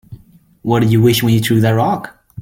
What'd you wish when you threw that rock?